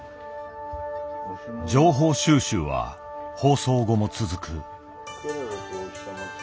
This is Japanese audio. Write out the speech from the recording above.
情報収集は放送後も続く。